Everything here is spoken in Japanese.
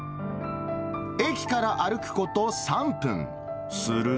駅から歩くこと３分。